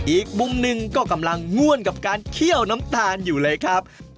อีกมุมหนึ่งก็กำลังง่วนกับการเคี่ยวน้ำตาลอยู่เลยครับ